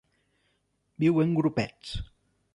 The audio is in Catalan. Viu en grupets.